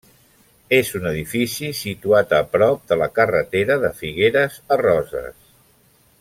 És un edifici situat a prop de la carretera de Figueres a Roses.